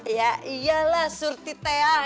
ya iyalah surti teh ah